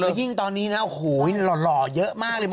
แล้วยิ่งตอนนี้นะโอ้โหหล่อเยอะมากเลย